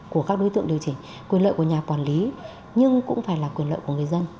của các đối tượng điều chỉnh quyền lợi của nhà quản lý nhưng cũng phải là quyền lợi của người dân